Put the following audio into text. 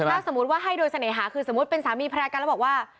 ถ้าสมมุติว่าให้โดยเสน่หาคือสมมุติเป็นสามีภรรยากันแล้วบอกว่า